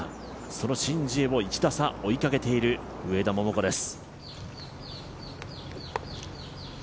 そのシン・ジエを１打差追いかけている上田桃子です。